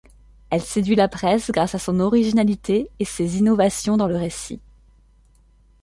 Elle séduit la presse grâce à son originalité et ses innovations dans le récit.